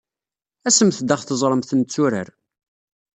Asemt-d ad aɣ-teẓremt netturar.